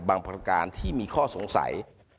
บางประการที่มีข้อสงสัย